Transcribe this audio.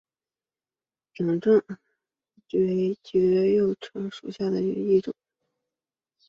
掌状叉蕨为叉蕨科叉蕨属下的一个种。